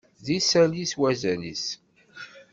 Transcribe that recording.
D isalli s wazal-is.